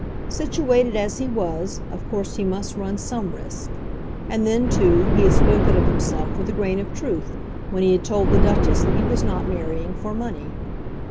Situated as he was, of course he must run some risk. And then, too, he had spoken of himself with a grain of truth when he had told the Duchess that he was not marrying for money.